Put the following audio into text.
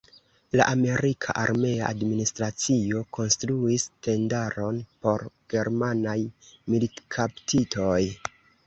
La amerika armea administracio konstruis tendaron por germanaj militkaptitoj.